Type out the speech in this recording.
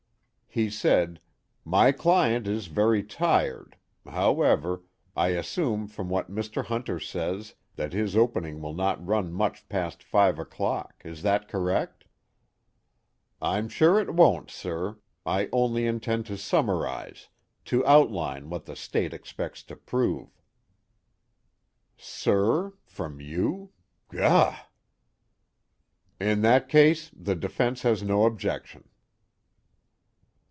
He said: "My client is very tired. However, I assume from what Mr. Hunter says that his opening will not run much past five o'clock is that correct?" "I'm sure it won't, sir. I only intend to summarize, to outline what the State expects to prove." Sir from you? gah! "In that case, the defense has no objection."